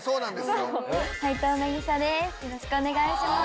よろしくお願いします。